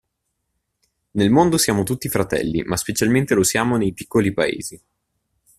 Nel mondo siamo tutti fratelli, ma specialmente lo siamo nei piccoli paesi.